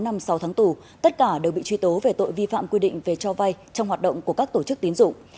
năm sáu tháng tù tất cả đều bị truy tố về tội vi phạm quy định về cho vay trong hoạt động của các tổ chức tín dụng